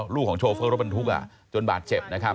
ลูกของโชเฟอร์รถบรรทุกจนบาดเจ็บนะครับ